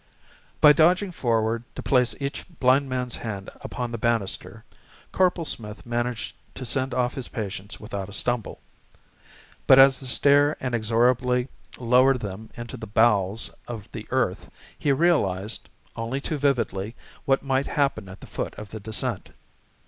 By dodging forward to place each blind man's hand upon the banister, Corporal Smith managed to send off his patients without a stumble. But as the stair inexorably lowered them into the bowels of the earth he realised, only too vividly, what might happen at the foot of the descent.